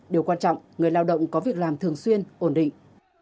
điều quan trọng người lao động có việc làm thường xuyên ổn định